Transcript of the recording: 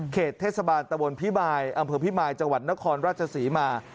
เทศบาลตะวนพิมายอำเภอพิมายจังหวัดนครราชศรีมา